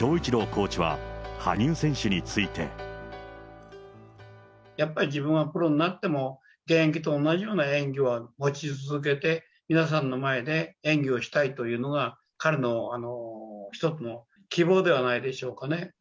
コーチは、羽生選手について。やっぱり自分はプロになっても、現役と同じような演技は持ち続けて、皆さんの前で演技をしたいというのが、彼の一つの希望ではないでしょうかね。